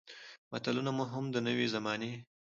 متلونه مو هم د نوې زمانې